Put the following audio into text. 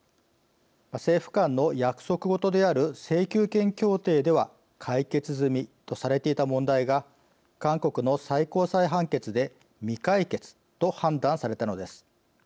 政府間の約束事である請求権協定では解決済みとされていた問題が韓国の最高裁判決で未解決と判断されたのです。